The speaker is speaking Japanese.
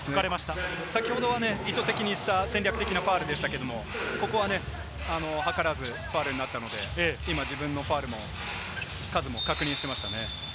先ほどは意図的にした戦略的なファウルでしたけれども、ここはね、図らずファウルになったので、今自分のファウルも数も確認していましたね。